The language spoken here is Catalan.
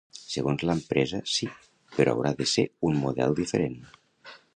Segons l’empresa, sí, però haurà de ser un model diferent.